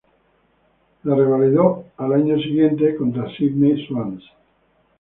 La revalidó al año siguiente contra Sydney Swans.